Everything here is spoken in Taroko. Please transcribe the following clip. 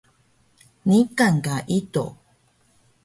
Niqan ka ido?